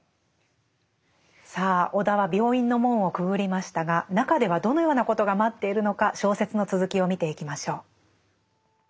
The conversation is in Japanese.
さあ尾田は病院の門をくぐりましたが中ではどのようなことが待っているのか小説の続きを見ていきましょう。